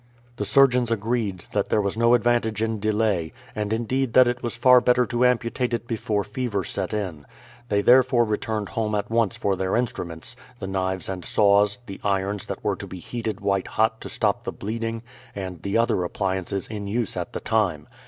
The surgeons agreed that there was no advantage in delay, and indeed that it was far better to amputate it before fever set in. They therefore returned home at once for their instruments, the knives and saws, the irons that were to be heated white hot to stop the bleeding, and the other appliances in use at the time.